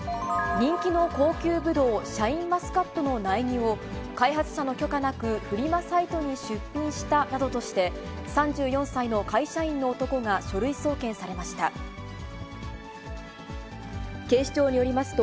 人気の高級ブドウ、シャインマスカットの苗木を、開発者の許可なくフリマサイトに出品したなどとして、３４歳の会社員の男が書類送検されました。